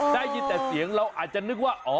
ได้ยินแต่เสียงเราอาจจะนึกว่า